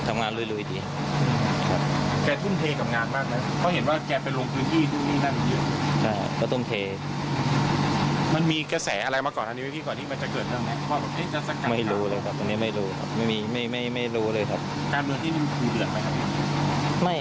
การเมืองที่มีเหลือไหมครับ